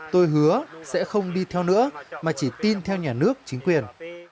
tôi hứa sẽ không đi theo nữa mà chỉ tin theo nhà nước chính quyền